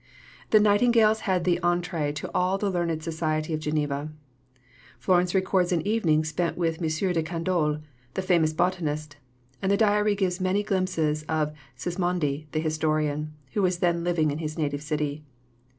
The Nightingales had the entrée to all the learned society of Geneva. Florence records an evening spent with M. de Candolle, the famous botanist; and the diary gives many glimpses of Sismondi, the historian, who was then living in his native city.